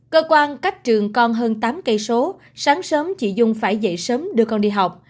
cơ quan cách trường con hơn tám km sáng sớm chị dung phải dậy sớm đưa con đi học